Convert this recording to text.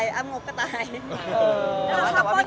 อยากฝ่อนกับเอยสโน้ท